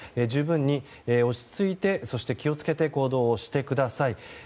十分に落ち着いてそして気を付けて行動をしてください。